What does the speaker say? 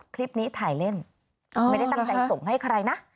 คลิปนี้ถ่ายเล่นไม่ได้ตั้งใจส่งให้ใครนะ